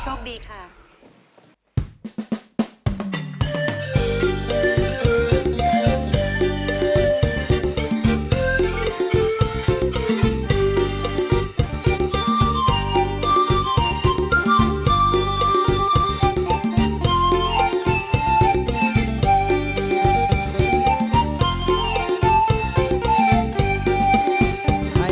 เพลงที่๔มูลค่า๒๐๐๐๐บาท